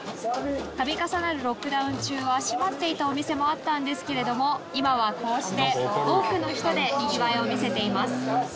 度重なるロックダウン中は閉まっていたお店もあったんですけれども今はこうして多くの人でにぎわいを見せています。